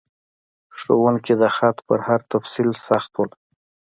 ښوونکي د خط په هر تفصیل سخت ول.